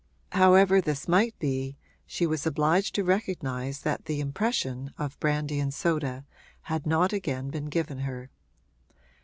However this might be she was obliged to recognise that the impression of brandy and soda had not again been given her.